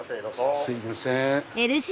すいません。